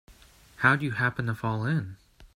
How'd you happen to fall in?